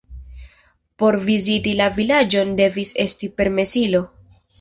Por viziti la vilaĝon devis esti permesilo.